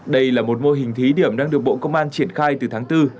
đây là một mô hình thí điểm đang được bộ công an triển khai từ tháng bốn